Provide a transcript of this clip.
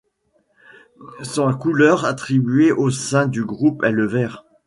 Sa couleur attribuée au sein du groupe est le vert.